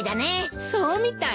そうみたいね。